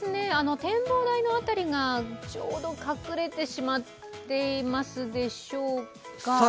展望台の辺りがちょうど隠れてしまっていますでしょうか。